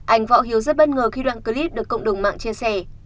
anh võ hiếu rất bất ngờ khi đoạn clip được cộng đồng mạng chia sẻ